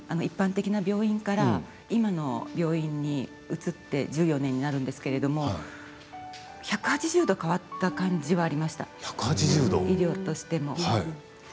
一般的な病院から今の病院に移って１４年になるんですけれども１８０度変わった感じはありました、医療としても。